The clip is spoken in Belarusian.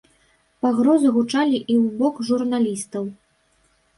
Пагрозы гучалі і ў бок журналістаў.